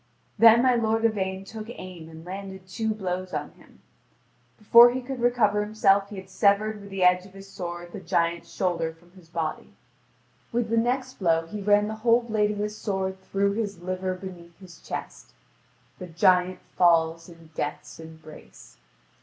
Then my lord Yvain took aim and landed two blows on him. Before he could recover himself he had severed with the edge of his sword the giant's shoulder from his body. With the next blow he ran the whole blade of his sword through his liver beneath his chest; the giant falls in death's embrace.